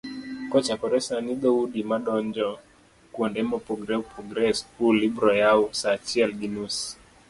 kochakore sani dhoudi madonjo kuonde mopogoreopogore e skul ibiroyaw saa achiel gi nus